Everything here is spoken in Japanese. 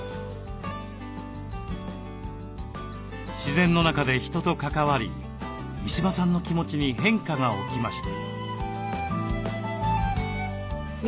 自然の中で人と関わり三嶋さんの気持ちに変化が起きました。